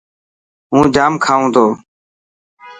هون ڄام کائون تو.